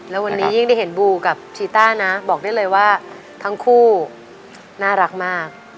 แล้ววันนี้ยิ่งได้เห็นบูกับชีต้านะบอกได้เลยว่าทั้งคู่น่ารักมาก